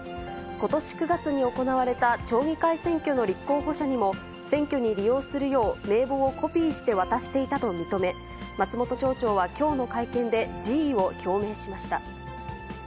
ことし９月に行われた町議会選挙の立候補者にも選挙に利用するよう、名簿をコピーして渡していたと認め、松本町長はきょうの会見で、辞意を表明しました。